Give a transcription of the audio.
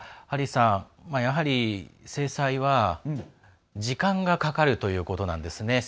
ハリーさん、やはり制裁は時間がかかるということなんですね。